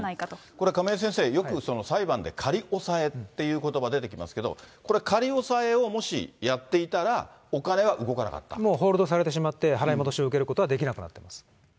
これ、亀井先生、よく裁判で仮押さえってことば出てきますけれども、これは仮押さえをもしやっていたら、もうホールドされてしまって、払い戻しを受けることができなくなっています。